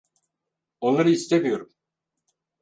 Onları istemiyorum.